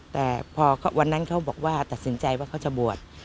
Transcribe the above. แต่พอวันนั้นเขาบอกว่าตัดสินใจว่าเขาจะบวช